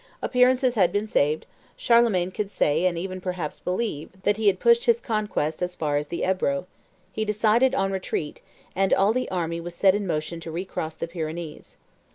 Appearances had been saved; Charlemagne could say, and even perhaps believe, that he had pushed his conquests as far as the Ebro; he decided on retreat, and all the army was set in motion to recross the Pyrenees.